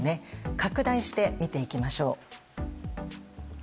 拡大して見ていきましょう。